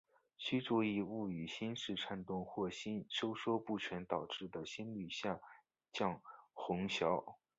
须注意勿与心室颤动或心收缩不全导致的心率下降混淆。